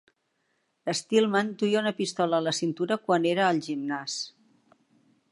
Stillman duia una pistola a la cintura quan era al gimnàs.